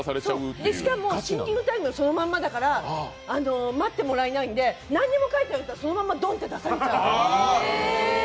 そう、しかもシンキングタイムはそのままだから待ってもらえないので、何も書いてなかったら、そのままドンで出されちゃうの。